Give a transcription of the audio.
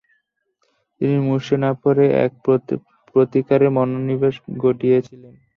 তিনি মুষড়ে না পড়ে এর প্রতিকারে মনোনিবেশ ঘটিয়েছিলেন।